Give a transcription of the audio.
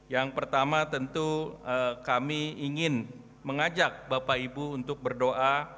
yang pertama tentu kami ingin mengajak bapak ibu untuk berdoa